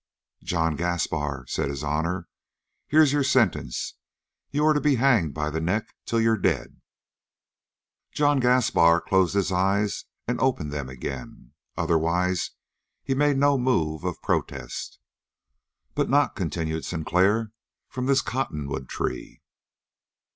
"John Gaspar," said his honor, "here's your sentence: You're to be hanged by the neck till you're dead." John Gaspar closed his eyes and opened them again. Otherwise he made no move of protest. "But not," continued Sinclair, "from this cottonwood tree."